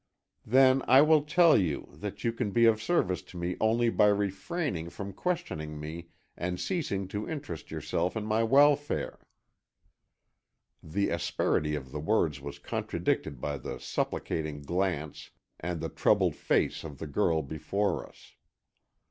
"Then, I will tell you, that you can be of service to me only by refraining from questioning me and ceasing to interest yourself in my welfare." The asperity of the words was contradicted by the supplicating glance and the troubled face of the girl before us.